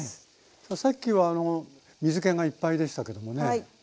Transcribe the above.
そうさっきは水けがいっぱいでしたけどもね。